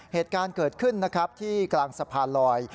เหตุการณ์เกิดขึ้นนะครับที่กลางสะพานลอย